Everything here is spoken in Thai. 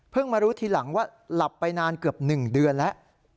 มารู้ทีหลังว่าหลับไปนานเกือบ๑เดือนแล้ว